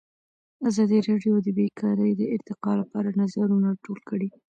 ازادي راډیو د بیکاري د ارتقا لپاره نظرونه راټول کړي.